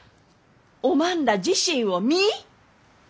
おまんら自身を見い！